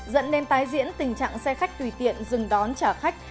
dẫn đến tái diễn tình trạng xe khách tùy tiện dừng đón trả khách